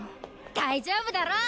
大丈夫だろ！